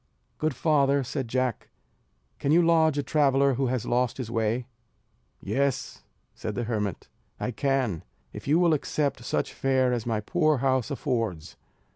"Good father" said Jack, "can you lodge a traveller who has lost his way?" "Yes," said the hermit, "I can, if you will accept such fare as my poor house affords."